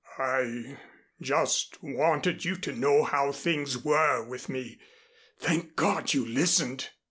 I just wanted you to know how things were with me. Thank God, you listened."